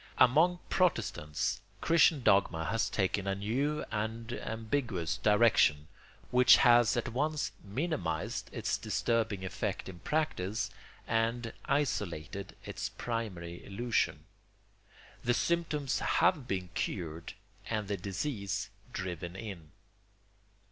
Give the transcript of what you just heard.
Among Protestants Christian dogma has taken a new and ambiguous direction, which has at once minimised its disturbing effect in practice and isolated its primary illusion. The symptoms have been cured and the disease driven in.